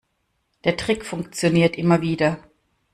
Der Trick funktioniert immer wieder.